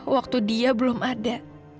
waktu dia belum ada